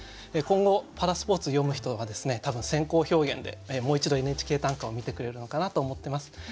今後パラスポーツ詠む人は多分先行表現でもう一度「ＮＨＫ短歌」を見てくれるのかなと思ってます。